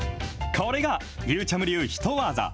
これが、ゆーちゃむ流ヒトワザ。